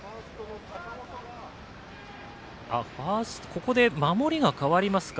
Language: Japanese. ここで守りが代わりますか。